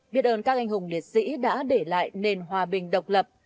biết ơn các anh hùng liệt sĩ đã để lại nền hòa bình độc lập